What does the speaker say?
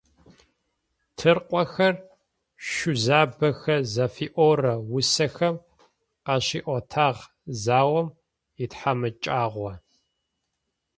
«Тыркъохэр», «Шъузабэхэр» зыфиӏорэ усэхэм къащиӏотагъ заом итхьамыкӀагъо.